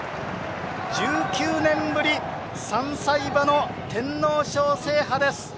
１９年ぶり３歳馬の天皇賞制覇です。